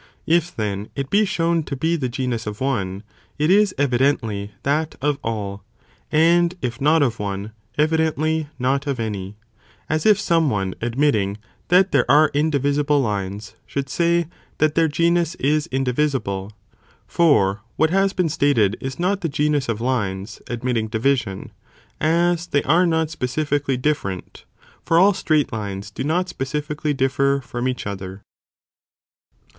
If, then, it be shown to be the (genus) of one, it is evidently that of all, and if not of one, evidently not of any, as if some one ad mitting that there are indivisible lines, should say that their genus is indivisible, for what has been stated is not the genus of lines, admitting division, as they are not specifically different, for all straight lines do not specifically differ from each other.